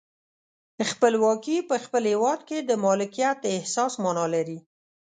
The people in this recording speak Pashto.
خپلواکي په خپل هیواد کې د مالکیت احساس معنا لري.